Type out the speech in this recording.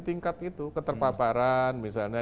tingkat itu keterpaparan misalnya